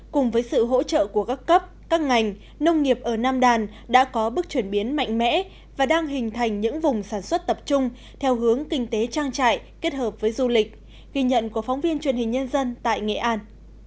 cùng với sự hỗ trợ của các cấp các ngành nông nghiệp ở nam đàn đã có bước chuyển biến mạnh mẽ và đang hình thành những vùng sản xuất tập trung theo hướng kinh tế trang trại kết hợp với du lịch ghi nhận của phóng viên truyền hình nhân dân tại nghệ an